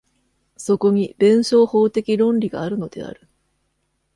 そこに弁証法的論理があるのである。